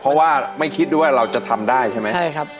เพราะว่าไม่คิดด้วยว่าเราจะทำได้ใช่ไหมใช่ครับ